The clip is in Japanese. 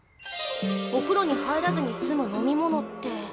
おふろに入らずに済む飲み物って。